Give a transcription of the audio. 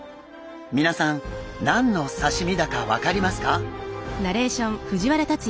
皆さん何の刺身だか分かりますか？